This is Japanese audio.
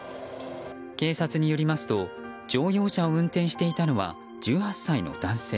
警察によりますと乗用車を運転していたのは１８歳の男性。